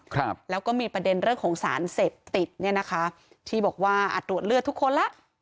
ครับแล้วก็มีประเด็นเรื่องของสารเสพติดเนี่ยนะคะที่บอกว่าอ่ะตรวจเลือดทุกคนแล้ว